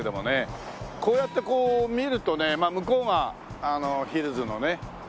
こうやってこう見るとまあ向こうがあのヒルズのね。